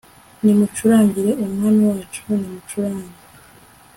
nimucurangire umwami wacu, nimucurange